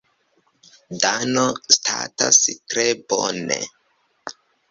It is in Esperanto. Dano statas tre bone.